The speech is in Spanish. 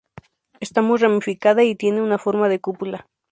Está muy ramificada y tiene una forma de cúpula.